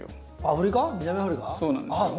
そうなんですよ。